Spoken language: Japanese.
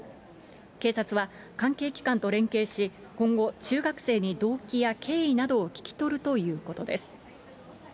警察は、関係機関と連携し、今後、中学生に動機や経緯などを聴き取るということです。